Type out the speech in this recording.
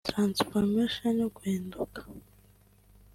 Transformation/guhinduka’